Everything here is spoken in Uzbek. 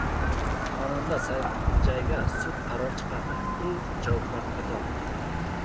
Xonanda Sanjayga sud qaror chiqardi. U javobgarlikka tortildi